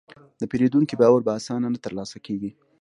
د پیرودونکي باور په اسانه نه ترلاسه کېږي.